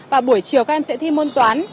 và buổi chiều các em sẽ thi môn toán